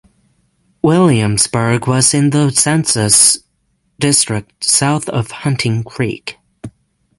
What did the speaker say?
Williamsburg was in the census district south of Hunting Creek.